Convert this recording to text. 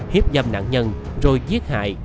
hiếp dâm nạn nhân rồi giết hại